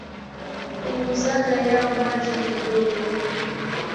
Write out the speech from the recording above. Punguzaga yao maji kidogo.